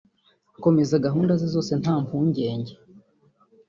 akomeza gahunda ze zose nta mpungenge